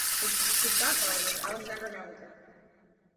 His godfather was Alexander Hamilton.